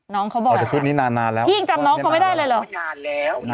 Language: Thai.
น้องเขาบอกอะพี่จำน้องของไม่ได้เลยเหรอ